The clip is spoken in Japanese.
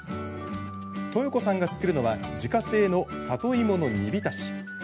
トヨ子さんが作るのは自家製の里芋の煮びたし。